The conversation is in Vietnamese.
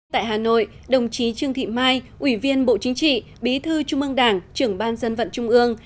tại hà nội đồng chí trương thị mai ủy viên bộ chính trị bí thư trung ương đảng trưởng ban dân vận trung ương